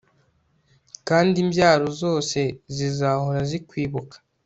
kandi imbyaro zose zizahora zikwibuka